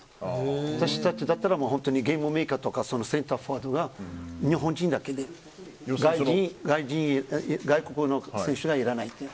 私たちだったらゲームメーカーとかセンターフォワードが日本人だけで外国の選手はいらない。